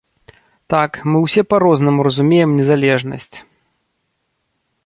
Так, мы ўсе па-рознаму разумеем незалежнасць.